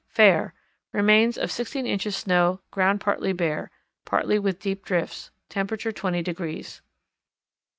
Fair; remains of 16 in. snow, ground partly bare, partly with deep drifts; temperature 20 degrees.